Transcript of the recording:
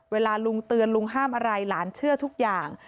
เวลาลุงเตือนลุงห้ามอะไรหลานเชื่อทุกอย่าง